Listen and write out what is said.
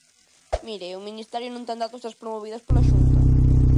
Mire, o Ministerio non ten datos das promovidas pola Xunta.